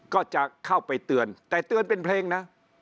ก็จะเข้าไปเตือนแต่เตือนเป็นเพลงนะ